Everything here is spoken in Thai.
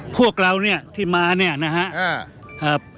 พวกเราเนี่ยที่มาเนี่ยนะครับ